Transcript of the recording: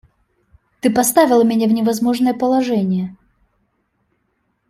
Ты поставила меня в невозможное положение.